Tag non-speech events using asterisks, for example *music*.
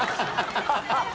ハハハ *laughs*